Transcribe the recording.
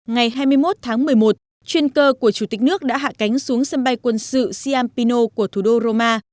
ngày hai mươi một tháng một mươi một chuyên cơ của chủ tịch nước đã hạ cánh xuống sân bay quân sự siampino của thủ đô roma